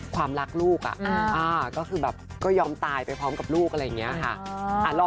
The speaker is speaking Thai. ความรักลูกก็คือแบบก็ยอมตายไปพร้อมกับลูกอะไรอย่างนี้ค่ะ